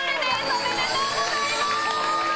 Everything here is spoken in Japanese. おめでとうございます！